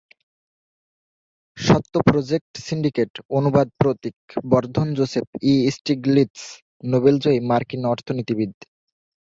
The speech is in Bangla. স্বত্ব প্রজেক্ট সিন্ডিকেট, অনুবাদ প্রতীক বর্ধনজোসেফ ই স্টিগলিৎস নোবেলজয়ী মার্কিন অর্থনীতিবিদ।